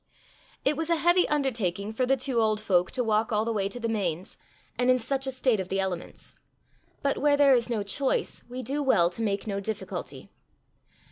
It was a heavy undertaking for the two old folk to walk all the way to the Mains, and in such a state of the elements; but where there is no choice, we do well to make no difficulty.